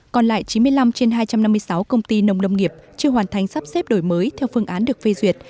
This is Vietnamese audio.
còn lại chín mươi năm trên hai trăm năm mươi sáu công ty nông lâm nghiệp chưa hoàn thành sắp xếp đổi mới theo phương án được phê duyệt